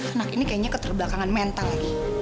anak ini kayaknya keterbelakangan mental lagi